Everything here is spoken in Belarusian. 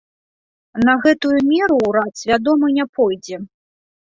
На гэтую меру ўрад свядома не пойдзе.